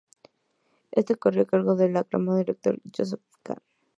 Éste corrió a cargo del aclamado director Joseph Kahn.